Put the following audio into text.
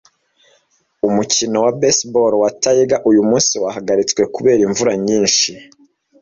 Umukino wa baseball wa Tiger uyumunsi wahagaritswe kubera imvura nyinshi.